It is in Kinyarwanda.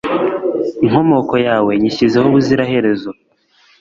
inkomoko yawe nyishyizeho ubuziraherezo